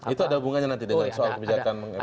itu ada hubungannya nanti dengan soal kebijakan